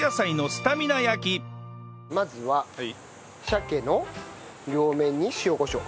まずは鮭の両面に塩コショウ。